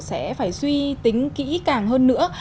sẽ phải suy tính kỹ càng hơn nữa